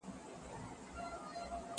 چي پر موږ ئې وار راغی، بيا ئې پلار راغی.